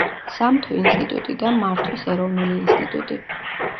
სამთო ინსტიტუტი და მართვის ეროვნული ინსტიტუტი.